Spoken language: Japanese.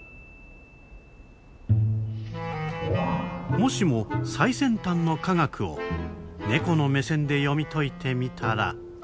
もしも最先端の科学をネコの目線で読み解いてみたら。